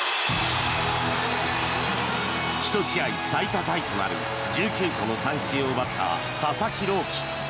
１試合最多タイとなる１９個の三振を奪った佐々木朗希。